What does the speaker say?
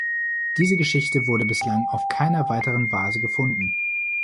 Diese Geschichte wurde bislang auf keiner weiteren Vase gefunden.